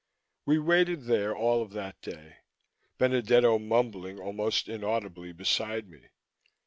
We waited there all of that day, Benedetto mumbling almost inaudibly beside me.